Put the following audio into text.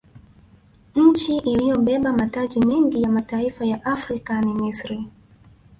nchi iliyobeba mataji mengi ya mataifa ya afrika ni misri